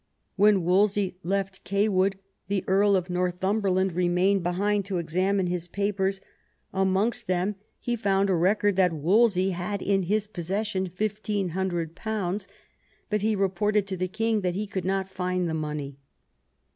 When Wolsey left Cawood the Earl of Northumberland remained behind to examine his papers; amongst them he found a record that Wolsey had in his possession £1600, but he reported to the king that he could not find the money.